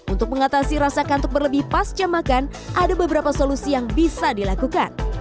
untuk mengatasi rasa kantuk berlebih pas jam makan ada beberapa solusi yang bisa dilakukan